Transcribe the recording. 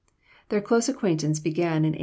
Their close acquaintance began in 1837.